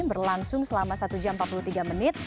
berlangsung selama satu jam empat puluh tiga menit